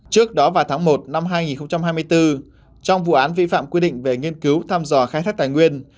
trước đó vào tháng một năm hai nghìn hai mươi bốn trong vụ án vi phạm quy định về nghiên cứu thăm dò khai thác tài nguyên